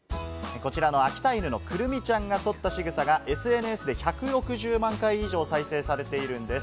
こちらの秋田犬のクルミちゃんがとったしぐさがＳＮＳで１６０万回以上、再生されているんです。